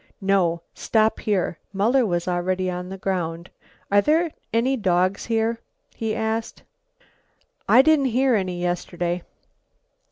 "No, stop here." Muller was already on the ground. "Are there any dogs here?" he asked. "I didn't hear any yesterday."